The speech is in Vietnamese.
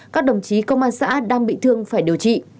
các đồng chí công an xã đang bị thương phải điều trị